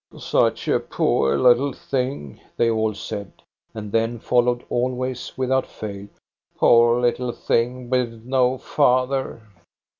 " Such a poor little thing," they all said, and then followed always, without fail :—" Poor little thing, with no father